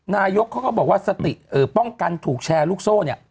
นายกเขาก็บอกว่าสติป้องกันถูกแชร์ลูกโซ่เนี่ย